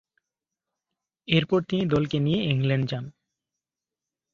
এরপর তিনি দলকে নিয়ে ইংল্যান্ড যান।